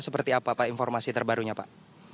seperti apa pak informasi terbarunya pak